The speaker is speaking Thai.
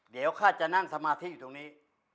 เดี๋ยวข้าจะนั่งสมาธิอยู่ตรงนี้